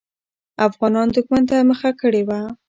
افغانان دښمن ته مخه کړې وه.